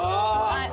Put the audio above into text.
はい。